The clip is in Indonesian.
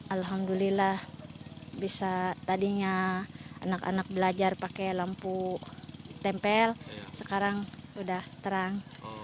alhamdulillah bisa tadinya anak anak belajar pakai lampu tempel sekarang sudah terang